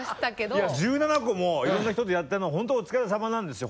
いや１７個もいろんな人とやったのはホントお疲れさまなんですよ。